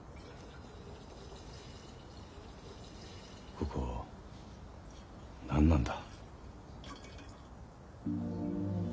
ここ何なんだ？